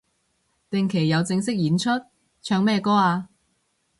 定期有正式演出？唱咩歌啊